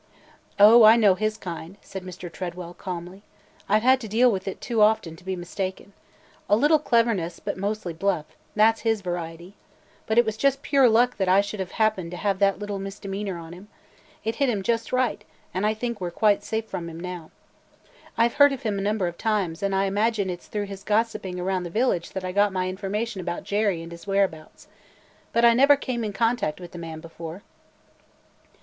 "Oh, I know his kind!" said Mr. Tredwell calmly. "I 've had to deal with it too often to be mistaken. A little cleverness but mostly bluff: that 's his variety. But it was just pure luck that I should have happened to have that little misdemeanor on him. It hit him just right, and I think we 're quite safe from him now. I 've heard of him a number of times, and I imagine it 's through his gossiping around the village that I got my information about Jerry and his whereabouts. But I never came in contact with the man before."